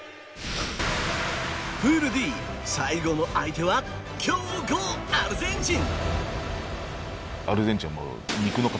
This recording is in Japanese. プールＤ、最後の相手は強豪アルゼンチン。